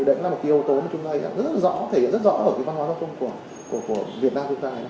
đấy là một yếu tố mà chúng ta rất rõ thể hiện rất rõ ở văn hóa